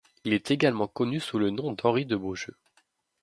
Il est également connu sous le nom d'Henri de Beaujeu.